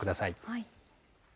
はい。